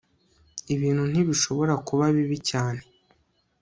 ibintu ntibishobora kuba bibi cyane